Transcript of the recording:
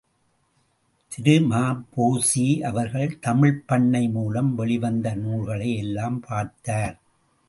திரு ம.பொ.சி.அவர்கள் தமிழ்ப்பண்ணை மூலம் வெளிவந்த நூல்களை எல்லாம் பார்த்தார்.